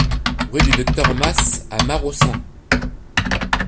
Rue du Docteur Mas à Maraussan